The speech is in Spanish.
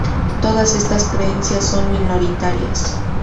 Todas estas creencias son minoritarias.